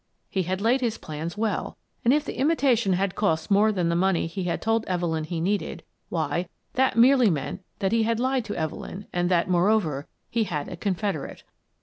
He had laid his plans well, and if the imitation had cost more than the money he had told Evelyn he needed, why, that merely meant that he had lied to Evelyn and that, moreover, he had a confederate.